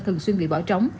thường xuyên bị bỏ trống